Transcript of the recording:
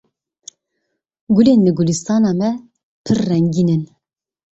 Gulên li gulistana me pir rengîn in.